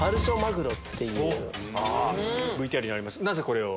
ＶＴＲにありましたなぜこれを？